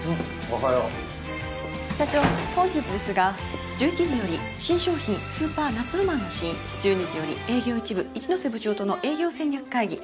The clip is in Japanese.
おはよう。社長本日ですが１１時より新商品スーパー夏浪漫の試飲１２時より営業一部一ノ瀬部長との営業戦略会議。